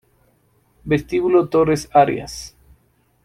Vestíbulo Torre Arias